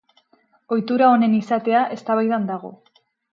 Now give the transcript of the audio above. Ohitura honen izatea eztabaidan dago.